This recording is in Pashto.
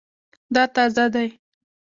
دا تازه دی